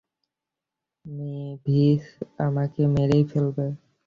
Mavis আমাকে মেরেই ফেলবে।